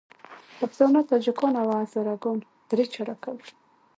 پښتانه، تاجکان او هزاره ګان درې چارکه وو.